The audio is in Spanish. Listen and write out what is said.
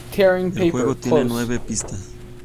El juego tiene nueve pistas.